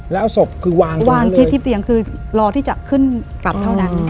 แล้วศพคือวางที่ที่เตียงคือรอที่จะขึ้นกลับเท่านั้น